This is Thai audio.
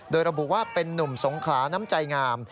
โดยระบุว่าเป็นนุ่มสงขลาน้ำใจงาม